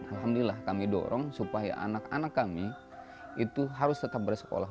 alhamdulillah kami dorong supaya anak anak kami itu harus tetap bersekolah